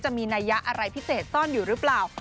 นัยยะอะไรพิเศษซ่อนอยู่หรือเปล่า